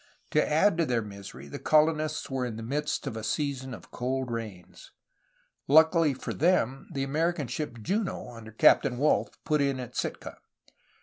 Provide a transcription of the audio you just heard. To add to their misery the colonists were in the midst of a season of cold rains. Luckily for them, the American ship Juno (Captain Wolfe) put in at Sitka.